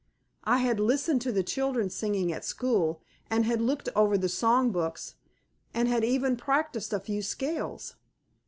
I had listened to the children singing at school, and had looked over the song books, and had even practised a few scales.